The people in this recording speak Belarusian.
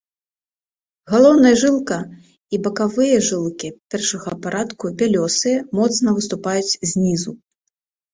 Галоўная жылка і бакавыя жылкі першага парадку бялёсыя, моцна выступаюць знізу.